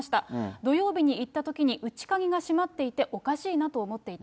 土曜日に行ったときに内鍵が閉まっていておかしいなと思っていた。